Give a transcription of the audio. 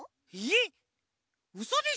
えっ？